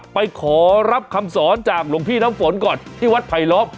ไปขอรับคำสอนจากหลวงพี่น้ำฝนก่อนที่วัดไผลล้อม